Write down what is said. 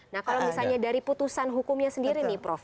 nah kalau misalnya dari putusan hukumnya sendiri nih prof